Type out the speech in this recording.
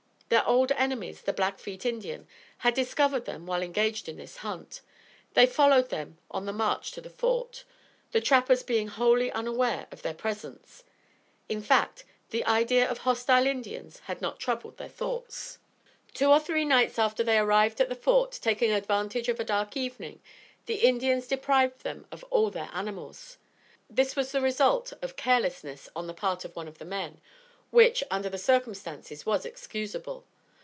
Their old enemies, the Blackfeet Indians, had discovered them while engaged in this hunt. They followed them on the march to the Fort, the trappers being wholly unaware of their presence; in fact, the idea of hostile Indians had not troubled their thoughts. Two or three nights after they arrived at the Fort, taking advantage of a dark evening, the Indians deprived them of all their animals. This was the result of carelessness on the part of one of the men, which, under the circumstances, was excusable.